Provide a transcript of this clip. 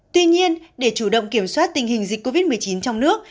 tuy nhiên để chủ động kiểm soát tình hình dịch covid một mươi chín trong nước